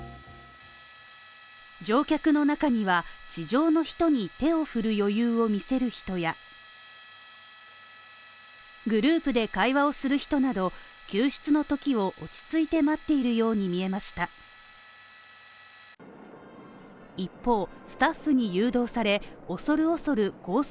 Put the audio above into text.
乗客の中には、地上の人に手を振る余裕を見せる人やグループで会話をする人など、救出のときを落ち着いて待っているように見えました一方、スタッフに誘導され、恐る恐るコース